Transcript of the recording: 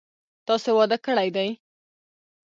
تاسو واده کړی دی؟